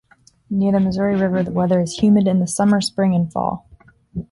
Near the Missouri River, the weather is humid in the summer, spring, and fall.